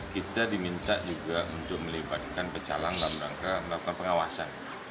kita diminta juga untuk melibatkan pecalang dalam rangka melakukan pengawasan